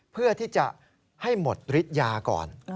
เพื่อที่จะให้หมดฤทธิ์ยาก่อน